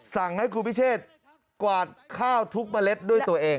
สั่งให้ครูพิเชษกวาดข้าวทุกเมล็ดด้วยตัวเอง